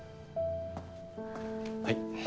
はい。